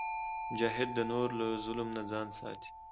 مجاهد د نورو له ظلم نه ځان ساتي.